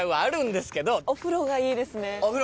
お風呂がいいですね。